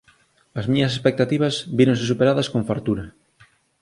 As miñas expectativas víronse superadas con fartura.